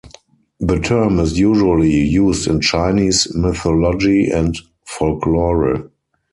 The term is usually used in Chinese mythology and folklore.